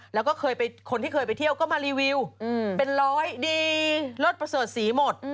แล้วก็คนที่เคยไปเที่ยวก็มารีวิวเป็นร้อยดีลดประเสริฐสีหมด